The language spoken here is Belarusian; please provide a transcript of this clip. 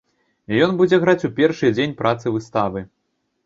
Ён будзе граць у першы дзень працы выставы.